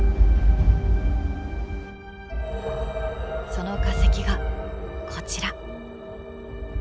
その化石がこちら。